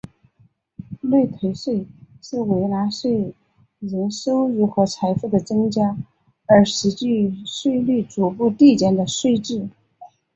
累退税是随纳税人收入和财富的增加而实际税率逐步递减的税制。